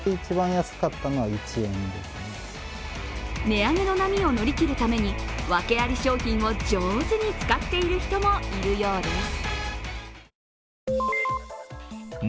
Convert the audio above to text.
値上げの波を乗り切るために、ワケあり商品を上手に使っている人もいるようです。